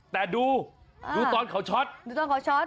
แต่ดูแม้ตอนเขาช็อต